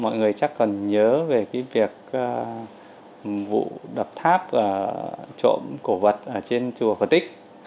mọi người chắc còn nhớ về cái việc vụ đập tháp trộm cổ vật trên chùa phật tích